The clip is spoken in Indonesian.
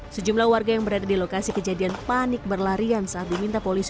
sejumlah warga yang berada di lokasi kejadian panik berlarian saat diminta polisi